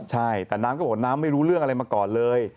ใช่แต่น้ำก็บอกว่าน้ำไม่รู้เรื่องอะไรมาก่อนเลย